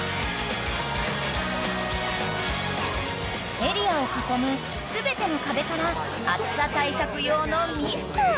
［エリアを囲む全ての壁から暑さ対策用のミスト］